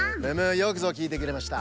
よくぞきいてくれました。